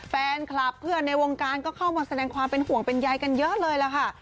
แฟนคลับเพื่อนในวงการก็เข้ามาแสดงความเป็นห่วงเป็นใยกันเยอะเลยล่ะค่ะ